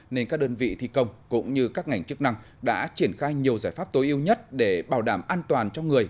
nên các đơn vị thi công cũng như các ngành chức năng đã triển khai nhiều giải pháp tối ưu nhất để bảo đảm an toàn cho người